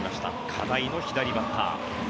課題の左バッター。